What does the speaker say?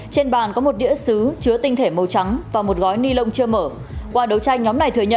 trên bàn có một đĩa xứ chứa tinh thể màu trắng và một gói ni lông chưa mở